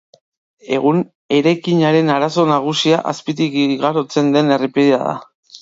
Egun eraikinaren arazo nagusia azpitik igarotzen den errepidea da.